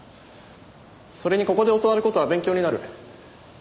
それにここで教わる事は勉強になる。